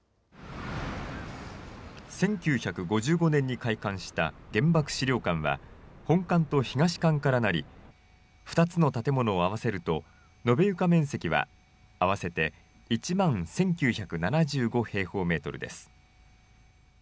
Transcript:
１９５５年に開館した原爆資料館は、本館と東館からなり、２つの建物を合わせると延べ床面積は合わせて１万１９７５平方メートルです。